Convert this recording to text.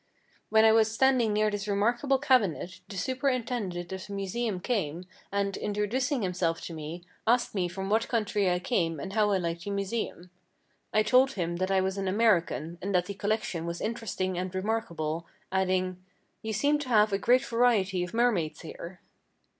While I was standing near this remarkable cabinet the superintendent of the Museum came, and, introducing himself to me, asked me from what country I came and how I liked the Museum. I told him that I was an American and that the collection was interesting and remarkable, adding: "You seem to have a great variety of mermaids here."